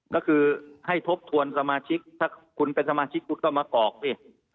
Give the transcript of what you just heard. ก็คือให้ทบทวนสมาชิกถ้าคุณเป็นสมาชิกคุณก็มากอกดิ